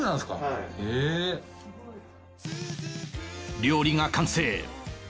料理が完成